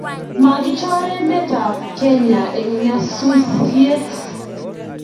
migichor emetab Kenya eng nyasusiet